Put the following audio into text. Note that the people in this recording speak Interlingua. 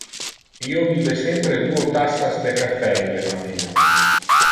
Io bibe sempre duo tassas de caffe in le matino.